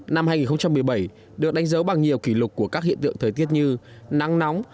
năm hai nghìn một mươi bảy được đánh dấu bằng nhiều kỷ lục của các hiện tượng thời tiết như nắng nóng